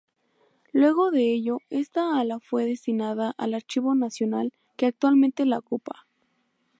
Luego de ello, esta ala fue destinada al Archivo Nacional, que actualmente la ocupa.